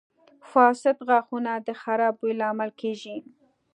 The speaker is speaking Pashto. • فاسد غاښونه د خراب بوی لامل کیږي.